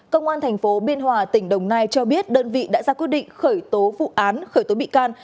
công an tp biên hòa tỉnh đồng nai cho biết đơn vị đã ra quyết định khởi tố vụ án khởi tố bị can